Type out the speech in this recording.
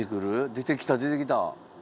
出てきた出てきた。